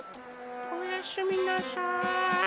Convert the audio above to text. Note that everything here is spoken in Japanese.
おやすみなさい。